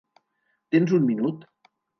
Tens un minut?